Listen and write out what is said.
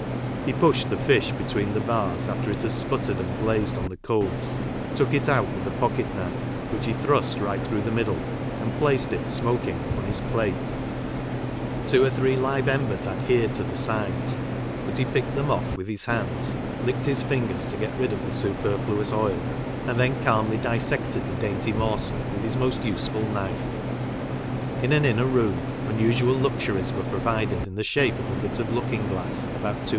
He pushed the fish between the bars after it had sputtered and blazed on the coals, took it out with a pocket knife which he thrust right through the middle, and placed it smoking on lis «il!'wT° ° r /^t live embers adhered to the sides, but he picked them off with his hands, licked his fingers to get rid of the superfluous oil, and then calmly dissected the dainty morsel with his most usetul knife. In an inner room unusual luxuries were provided in the shape of a bit of looking glass, Wi IZ°